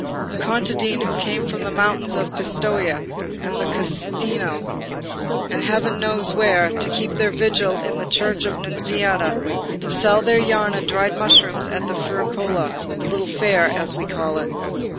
"The contadine who came from the mountains of Pistoia, and the Casentino, and heaven knows where, to keep their vigil in the church of the Nunziata, and sell their yarn and dried mushrooms at the Fierucola (the little Fair), as we call it.